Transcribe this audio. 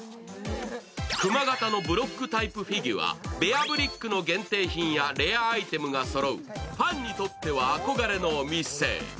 くま型のブロックタイプフィギュア、ベアブリックの限定品やレアアイテムがそろうファンにとっては憧れのお店。